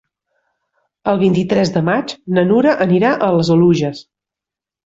El vint-i-tres de maig na Nura anirà a les Oluges.